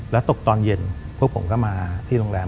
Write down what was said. แล้วตกตอนเย็นพวกผมก็มาที่โรงแรม